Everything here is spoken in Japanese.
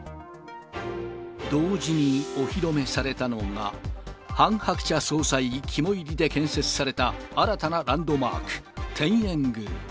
同時にお披露目されたのが、ハン・ハクチャ総裁肝煎りで建設された新たなランドマーク、天苑宮。